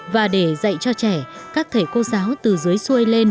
và để dạy cho trẻ các thầy cô giáo từ dưới xuôi lên